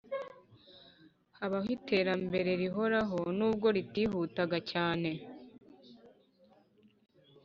Habaho iterambere rihoraho n ubwo ritihutaga cyane